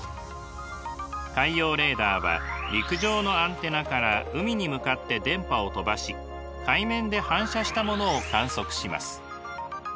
海洋レーダーは陸上のアンテナから海に向かって電波を飛ばし海面で反射したものを観測します。